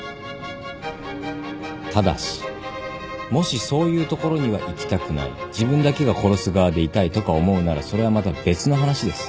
ただしもしそういう所には行きたくない自分だけが殺す側でいたいとか思うならそれはまた別の話です。